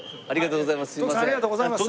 ありがとうございます。